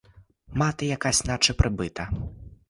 Мати якась — наче прибита.